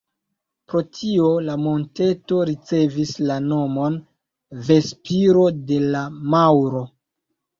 Pro tio la monteto ricevis la nomon "Ve-spiro de la maŭro".